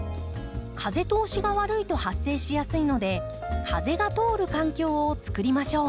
風通しが悪いと発生しやすいので風が通る環境をつくりましょう。